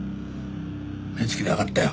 目つきでわかったよ。